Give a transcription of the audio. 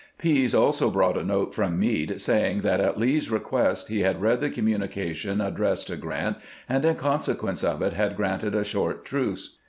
Pease also brought a note from Meade saying that, at Lee's request, he had read the communication addressed to Grant, and in consequence of it had granted a short truce.